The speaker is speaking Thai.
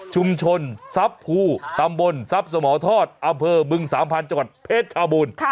ชุมชนซับภูตำบลซับสมทรอำเภอบึงสามพันธุ์จังหวัดเพชรชาบุญ